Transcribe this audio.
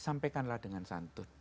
sampaikanlah dengan santun